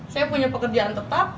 saya punya pekerjaan tetap